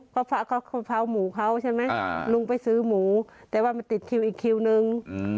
ก็เผาหมูเขาใช่ไหมลุงไปซื้อหมูแต่ว่ามันติดคิวอีกคิวนึง